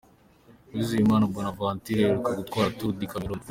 Uwizeyimana Bonaventure aheruka gutwara Tour du Cameroun.